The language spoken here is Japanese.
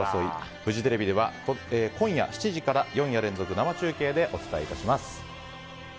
フジテレビでは今夜７時から４夜連続生中継でお伝え致します。